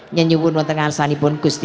nyenyubun wetengan sani bun gusti